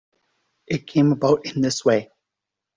It came about in this way.